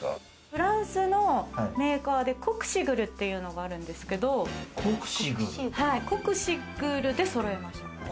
フランスのメーカーでコクシグルっていうのがあるんですけど、コクシグルでそろえました。